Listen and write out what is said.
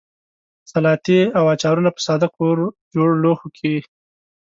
سلاتې او اچارونه په ساده کورجوړو لوښیو کې.